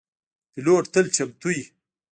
پیلوټ تل چمتو وي.